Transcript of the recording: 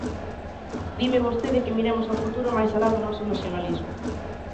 Dime vostede que miremos ao futuro máis alá do noso nacionalismo.